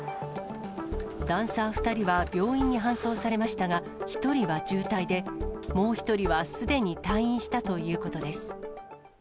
ダンサー２人は病院に搬送されましたが、１人は重体で、もう１人はすでに退院したということです。